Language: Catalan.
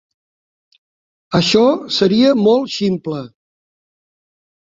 Això seria molt ximple.